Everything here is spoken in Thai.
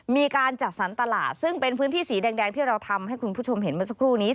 มีการจัดสรรตลาดซึ่งเป็นพื้นที่สีแดงที่เราทำให้คุณผู้ชมเห็นเมื่อสักครู่นี้